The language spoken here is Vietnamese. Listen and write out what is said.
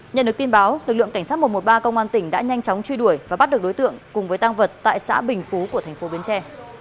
nhận được tin báo lực lượng cảnh sát một trăm một mươi ba công an tỉnh đã nhanh chóng truy đuổi và bắt được đối tượng cùng với tăng vật tại xã bình phú của tp bến tre